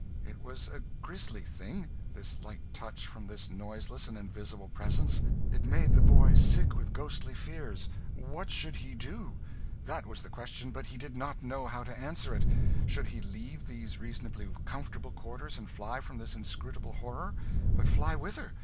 It was a grisly thing, this light touch from this noiseless and invisible presence; it made the boy sick with ghostly fears. What should he do? That was the question; but he did not know how to answer it. Should he leave these reasonably comfortable quarters and fly from this inscrutable horror? But fly whither?